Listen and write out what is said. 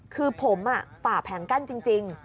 คือผมฝ่าแผงกั้นจริง